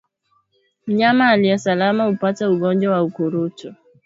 Mnyama aliye salama hupata ugonjwa wa ukurutu